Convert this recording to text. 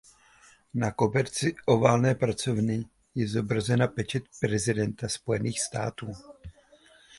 Na koberci Oválné pracovny je zobrazena pečeť prezidenta Spojených států.